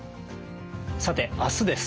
さて明日です。